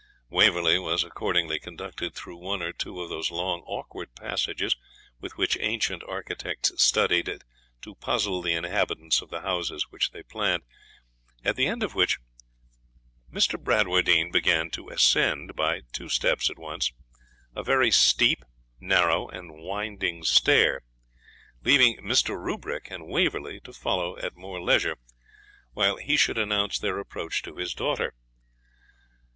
Waverley was accordingly conducted through one or two of those long awkward passages with which ancient architects studied to puzzle the inhabitants of the houses which they planned, at the end of which Mr. Bradwardine began to ascend, by two steps at once, a very steep, narrow, and winding stair, leaving Mr. Rubrick and Waverley to follow at more leisure, while he should announce their approach to his daughter.